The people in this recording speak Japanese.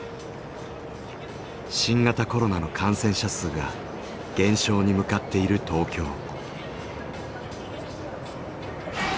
新型コロナの感染者数が減少に向かっている東京。